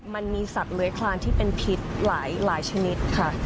มันมีสัตว์เลื้อยคลานที่เป็นพิษหลายชนิดค่ะ